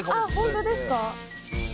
本当ですか？